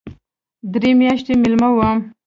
درې میاشتې مېلمه وم.